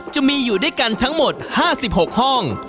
จะมีอยู่ด้วยกันทั้งหมด๕๖ห้อง